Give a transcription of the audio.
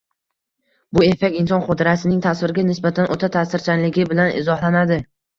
bu effekt inson xotirasining tasvirga nisbatan o‘ta ta’sirchanligi bilan izohlanadi.